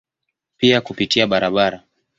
Pia kupitia barabara.